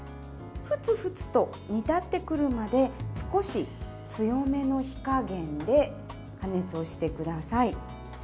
ふつふつと煮立ってくるまで少し強めの火加減で加熱をしてください。